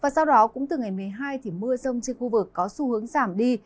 sau đó cũng từ ngày một mươi hai mưa rông trên khu vực có xu hướng giảm đi